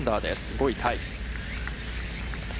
５位タイ。